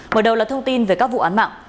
mở đầu là thông tin về các vụ án mạng